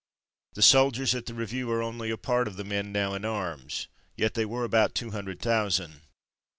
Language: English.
The soldiers at the review are only a part of the men now in arms, yet they were about two hundred thousand.